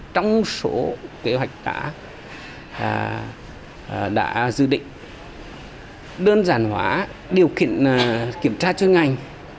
trong số kế hoạch đã dự định đơn giản hóa điều kiện kiểm tra chuyên ngành